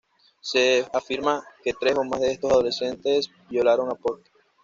Se afirma que tres o más de estos adolescentes violaron a Pott.